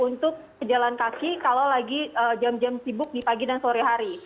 jadi kita bisa berikan kejalan kaki kalau lagi jam jam sibuk di pagi dan sore hari